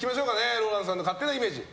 ＲＯＬＡＮＤさんの勝手なイメージ。